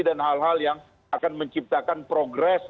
dan hal hal yang akan menciptakan progres